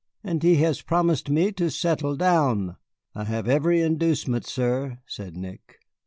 "And he has promised me to settle down." "I have every inducement, sir," said Nick.